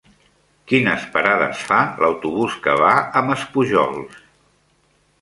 Quines parades fa l'autobús que va a Maspujols?